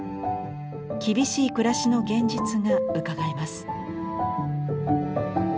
厳しい暮らしの現実がうかがえます。